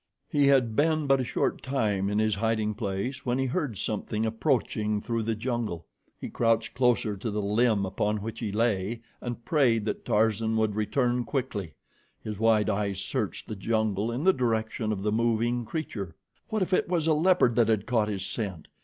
He had been but a short time in his hiding place when he heard something approaching through the jungle. He crouched closer to the limb upon which he lay and prayed that Tarzan would return quickly. His wide eyes searched the jungle in the direction of the moving creature. What if it was a leopard that had caught his scent!